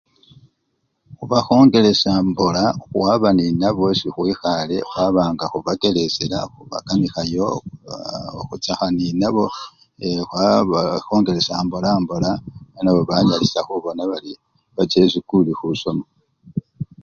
Khubakhongelesya mbola khwaba nenabo esi khwikhale khwaba nga khubakelesyela, khubakanikhayo aoao! khuchakha neneabo ee khwabakhongelesya mbolambola nenabo banyalisya khubona bari bacha esikuli khusoma.